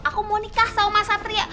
aku mau nikah sama mas satria